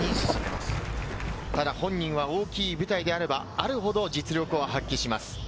ただ本人は、大きい舞台であればあるほど、実力を発揮します。